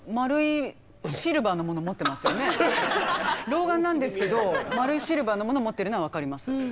老眼なんですけど丸いシルバーのものを持ってるのは分かります。